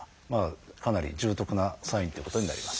かなり重篤なサインっていうことになります。